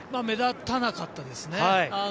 目立たなかったですね。